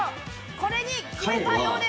これに決めたようです。